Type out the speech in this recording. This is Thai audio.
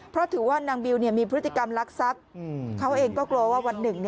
เพราะถือว่านางบิวมีพฤติกรรมลักทรัพย์เขาเองก็กลัวว่าวันหนึ่ง